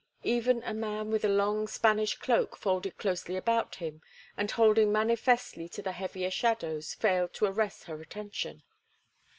Even a man with a long Spanish cloak folded closely about him and holding manifestly to the heavier shadows failed to arrest her attention.